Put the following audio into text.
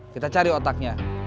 kita cari otaknya